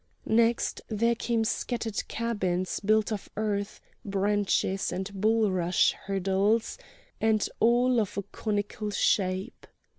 Next there came scattered cabins built of earth, branches, and bulrush hurdles, and all of a conical shape.